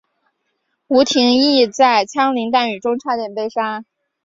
吴廷琰在枪林弹雨中差点被杀。